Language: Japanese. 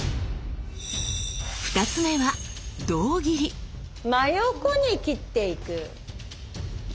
２つ目は真横に切っていく。